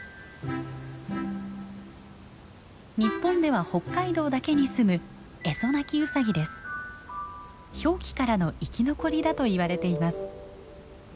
日本では北海道だけに住む氷期からの生き残りだといわれています。